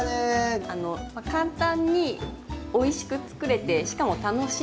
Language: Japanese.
簡単においしく作れてしかも楽しい。